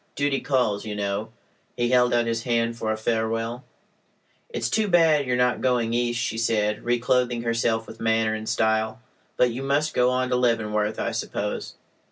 Duty calls, you know." He held out his hand for a farewell. "It's too bad you are not going East," she said, reclothing herself with manner and style. "But you must go on to Leavenworth, I suppose?"